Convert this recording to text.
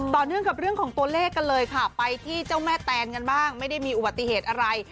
เนื่องกับเรื่องของตัวเลขกันเลยค่ะไปที่เจ้าแม่แตนกันบ้างไม่ได้มีอุบัติเหตุอะไร